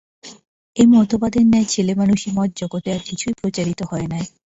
এই মতবাদের ন্যায় ছেলেমানুষী মত জগতে আর কিছুই প্রচারিত হয় নাই।